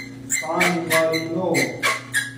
سان مارینو